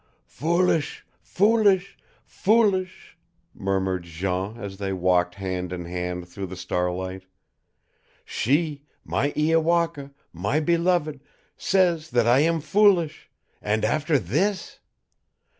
"Foolish foolish foolish " murmured Jean as they walked hand in hand through the starlight. "She, my Iowaka, my beloved, says that I am foolish AND AFTER THIS!